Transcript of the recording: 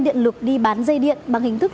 điện lực đi bán dây điện bằng hình thức